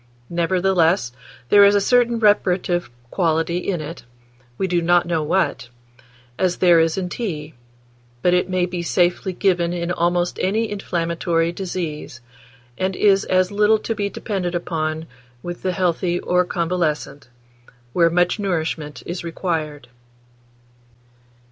Nevertheless, there is a certain reparative quality in it, we do not know what, as there is in tea; but it maybe safely given in almost any inflammatory disease, and is as little to be depended upon with the healthy or convalescent, where much nourishment is required."